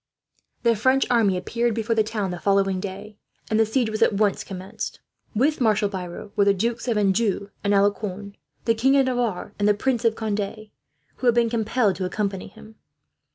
The French army appeared before the town on the following day, and the siege was at once commenced. With Marshal Biron were the dukes of Anjou and Alencon, the King of Navarre, and the Prince of Conde, who had been compelled to accompany him.